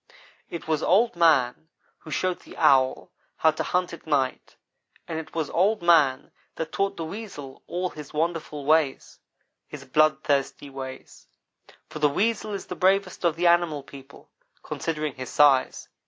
"It was Old man who showed the Owl how to hunt at night and it was Old man that taught the Weasel all his wonderful ways his bloodthirsty ways for the Weasel is the bravest of the animal people, considering his size.